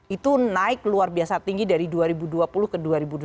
itu naik luar biasa tinggi dari dua ribu dua puluh ke dua ribu dua puluh satu